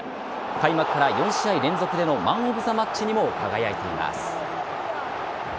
開幕から４試合連続でのマン・オブ・ザ・マッチにも輝いています。